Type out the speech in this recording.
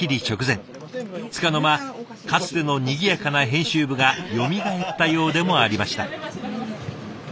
つかの間かつてのにぎやかな編集部がよみがえったようでもありました。